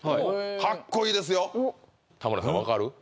かっこいいですよ田村さん分かる？